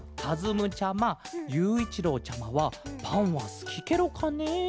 むちゃまゆういちろうちゃまはパンはすきケロかね？